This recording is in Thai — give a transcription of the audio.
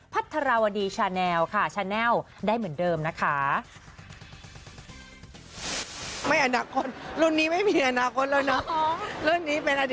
พัฒนาวดีชาแนลค่ะชาแนลได้เหมือนเดิมนะคะ